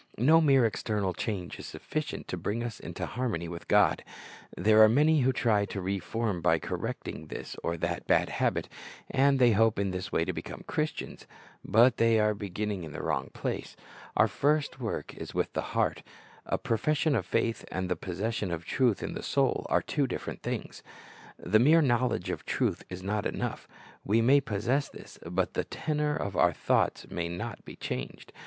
No mere external change is sufficient to bring us into harmony with God. There are many who try to re form by correcting this or that bad habit, and they hope in this way to become Christians, but they are beginning in the wrong place. Our first work is with the heart. A profession of faith and the possession of truth in the soul are two different things. The mere knowledge of truth is not enough. We may possess this, but the tenor of our thoughts may not be changed.